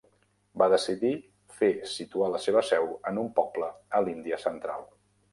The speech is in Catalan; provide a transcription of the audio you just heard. Va decidir fer situar la seva seu en un poble a l'Índia Central.